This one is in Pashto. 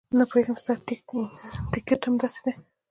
نه پوهېږم ستا ټیکټ همداسې دی.